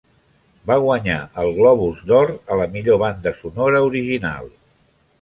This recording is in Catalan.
Va guanyar el Globus d'Or a la millor banda sonora original.